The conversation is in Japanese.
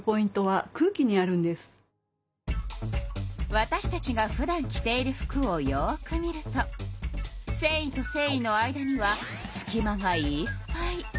わたしたちがふだん着ている服をよく見るとせんいとせんいの間にはすき間がいっぱい。